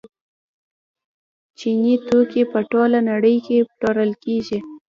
چیني توکي په ټوله نړۍ کې پلورل کیږي.